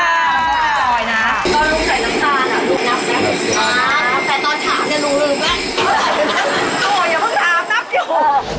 จอยอย่าเพิ่งถามนับอยู่